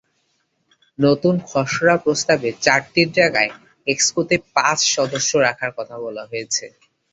নতুন খসড়া প্রস্তাবে চারটির জায়গায় এক্সকোতে পাঁচ সদস্য রাখার কথা বলা হয়েছে।